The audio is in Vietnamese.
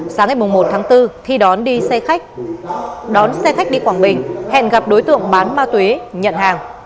sáng ngày một tháng bốn thi đón đi xe khách đón xe khách đi quảng bình hẹn gặp đối tượng bán ma túy nhận hàng